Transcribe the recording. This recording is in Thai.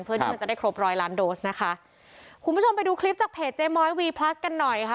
เพื่อที่มันจะได้ครบร้อยล้านโดสนะคะคุณผู้ชมไปดูคลิปจากเพจเจ๊ม้อยวีพลัสกันหน่อยค่ะ